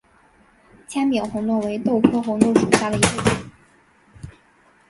纤柄红豆为豆科红豆属下的一个种。